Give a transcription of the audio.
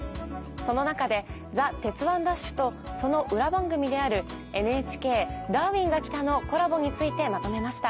その中で『ザ！鉄腕！ＤＡＳＨ‼』とその裏番組であるＮＨＫ『ダーウィンが来た！』のコラボについてまとめました。